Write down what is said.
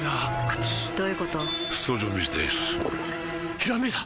ひらめいた！